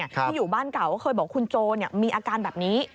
ที่อยู่บ้านเก่าก็เคยบอกคุณโจมีอาการแบบนี้